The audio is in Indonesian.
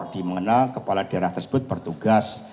dimana kepala daerah tersebut bertugas